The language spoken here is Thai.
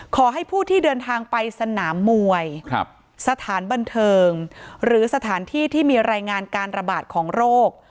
ขอให้ผู้ที่เดินทางไปสนามมวยสถานบันเทิงหรือสถานที่ที่มีรายงานการระบาดของโรค